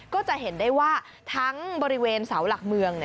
ก็จะเห็นได้ว่าทั้งบริเวณเสาหลักเมือง